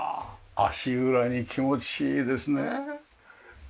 足裏に気持ちいいですね。